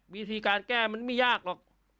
วิธีการแก้มันไม่ยากหรอก